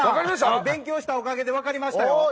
勉強したおかげで分かりましたよ。